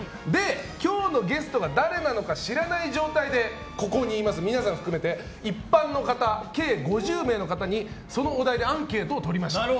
今日のゲストが誰なのか知らない状態でここにいます、皆さん含めて一般の方、計５０名の方にそのお題でアンケートを取りました。